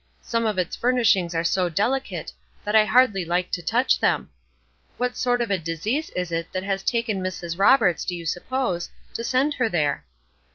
Some of its furnishings are so delicate that I hardly like to touch them. What sort of a disease is it that has taken Mrs. Roberts, do you suppose, to send her there?